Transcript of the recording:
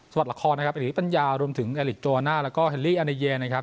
ละครนะครับอิริปัญญารวมถึงแอลิกโจน่าแล้วก็เฮลลี่อาเนเยนะครับ